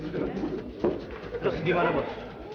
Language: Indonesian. terus di mana bos